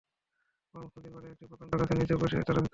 কংস নদীর পাড়ে একটি প্রকাণ্ড গাছের নিচে বসে তারা ভিক্ষা করত।